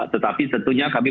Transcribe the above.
tetapi tentunya kami